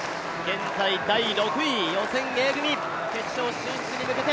現在第６位、予選Ａ組、決勝進出に向けて。